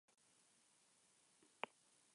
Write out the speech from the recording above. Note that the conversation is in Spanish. Es hijo de Ashley Reed.